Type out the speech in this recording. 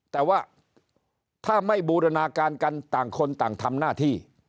แต่ว่าถ้าไม่บูรณาการกันต่างคนต่างทำหน้าที่